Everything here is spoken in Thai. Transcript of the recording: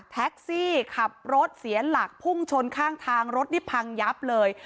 แท็กซี่ขับรถเสียหลักพุ่งชนข้างทางรถนี่พังยับเลย